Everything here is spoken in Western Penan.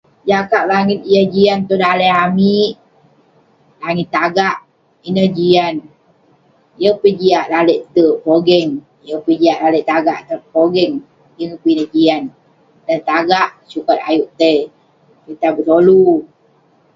Jakak langit yah jian tong daleh amik, langit tagak. Ineh jian. Yeng peh jiak lalek terk pogeng, yeng peh jiak lalek tagak pogeng. Yeng peh ineh jian. Dan tagak, sukat ayuk tai pitah betolu.